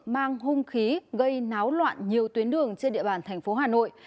mang hung khí gây náo loạn nhiều tuyến đường trên địa bàn thành phố hà nội